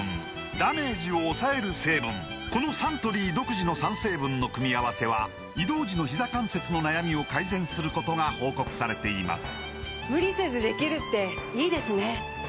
このサントリー独自の３成分の組み合わせは移動時のひざ関節の悩みを改善することが報告されています